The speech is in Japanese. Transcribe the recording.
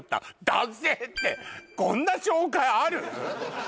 「男性」ってこんな紹介ある？